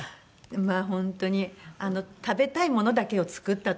まあ本当に食べたいものだけを作ったという。